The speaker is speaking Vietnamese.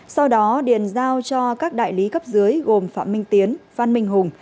sau đó điền giao cho các đại lý cấp dưới gồm phạm minh tiến phan minh hùng